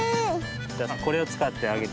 じゃあこれをつかってあげてください。